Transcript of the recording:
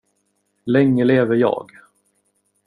Länge leve jag.